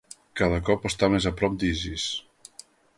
Cada cop està més a prop d'Isis.